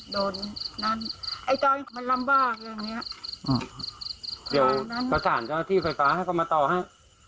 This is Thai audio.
เดี๋ยวกระสานที่ไฟฟ้าให้ก็มาต่อให้